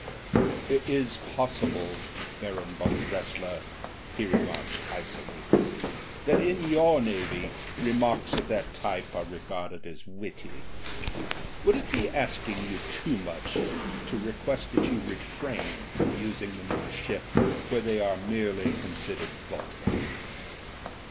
"It is possible, Baron von Dressier," he remarked icily, "that in your navy remarks of that type are re garded as witty. Would it be asking you too much RETRIBUTION 169 to request that you refrain from using them in a ship where they are merely considered vulgar